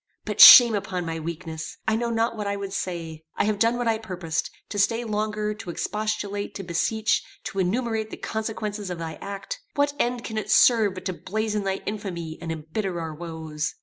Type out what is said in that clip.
But shame upon my weakness. I know not what I would say. I have done what I purposed. To stay longer, to expostulate, to beseech, to enumerate the consequences of thy act what end can it serve but to blazon thy infamy and embitter our woes?